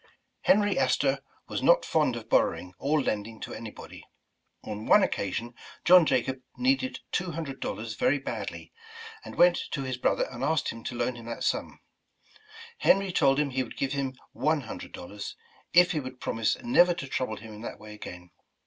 Henry Astor was not fond of borrowing, or lending to anybody. On one occasion John Jacob needed two hundred dollars very badly, and w^ent to his brother and asked him to loan him that sum. Henry told him he would give him one hundred dollars, if he w^ould promise never to trouble him in that way again.